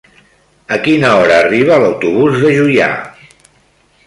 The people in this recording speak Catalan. A quina hora arriba l'autobús de Juià?